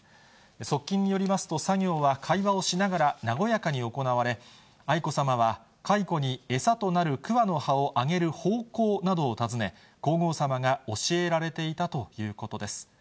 側近によりますと、作業は会話をしながら和やかに行われ、愛子さまは、蚕に餌となる桑の葉をあげる方向などを尋ね、皇后さまが教えられていたということです。